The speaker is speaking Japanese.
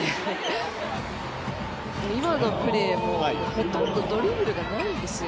今のプレーも、ほとんどドリブルがないんですよ。